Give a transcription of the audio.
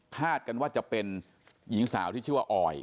กันว่าจะเป็นหญิงสาวที่ชื่อว่าออย